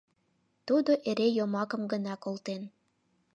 Тудо эре йомакым гына колтен.